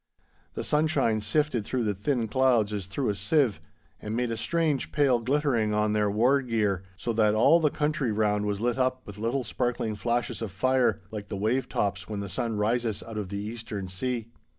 The sunshine sifted through the thin clouds as through a sieve, and made a strange pale glittering on their war gear, so that all the country round was lit up with little sparkling flashes of fire, like the wave tops when the sun rises out of the eastern sea.